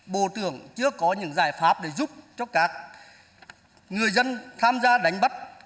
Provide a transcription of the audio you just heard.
bộ trưởng chưa có những giải pháp để giúp cho các người dân tham gia đánh bắt